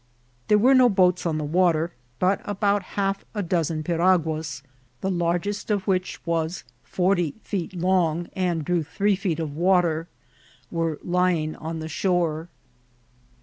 There were no boats on the water; but about half a dozen piraguas, the largest of which was forty feet long, and drew three feet of water, were lying on the shore.